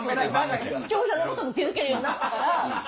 視聴者のことも気付けるようになったから。